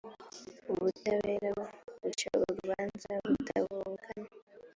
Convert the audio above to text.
ubutabera buca urubanza butabogamye.